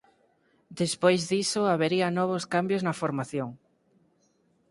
Despois diso habería novos cambios na formación.